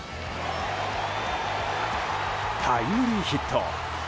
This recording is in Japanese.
タイムリーヒット。